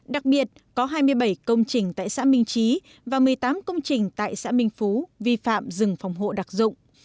đặc biệt có hai mươi bảy công trình tại xã minh trí và một mươi tám công trình tại xã minh phú vi phạm rừng phòng hộ đặc dụng